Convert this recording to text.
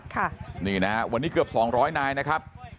ค่ะนี่นะฮะวันนี้เกือบ๒๐๐นายนะครับ